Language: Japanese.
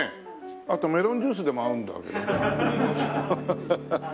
あとメロンジュースでも合うんだろうけども。